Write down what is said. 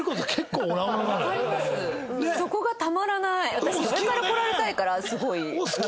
私上からこられたいからすごい。